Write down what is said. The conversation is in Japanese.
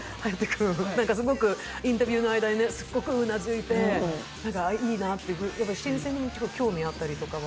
インタビューの間に、うごくうなずいていいなって、新選組に興味があったりとかは？